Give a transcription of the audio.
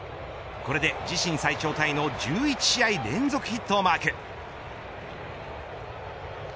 これで自身最長タイの１１試合連続ヒットをマーク。